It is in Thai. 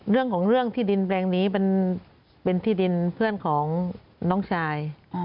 เรื่องของเรื่องที่ดินแปลงนี้เป็นที่ดินเพื่อนของน้องชาย